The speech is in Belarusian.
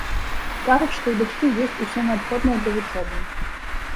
Кажуць, што ў дачкі ёсць усё неабходнае для вучобы.